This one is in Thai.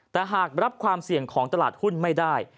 แต่หากรับความเสี่ยงของตลาดหุ้นไม่ได้